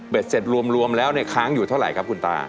เสร็จรวมแล้วเนี่ยค้างอยู่เท่าไหร่ครับคุณตา